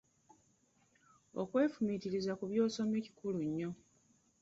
Okwefumiitiriza ku by'osomye Kikulu nnyo.